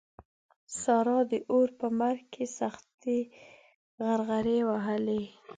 سارا د اور په مرګ کې سختې غرغړې ووهلې.